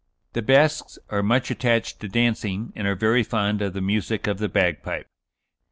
The Basques are much attached to dancing, and are very fond of the music of the bagpipe."